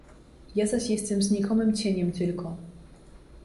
Ja zaś jestem znikomym cieniem tylko.